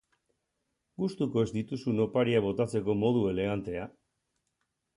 Gustuko ez dituzun opariak botatzeko modu elegantea.